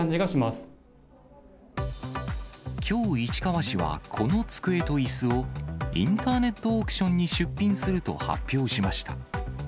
きょう、市川市はこの机といすを、インターネットオークションに出品すると発表しました。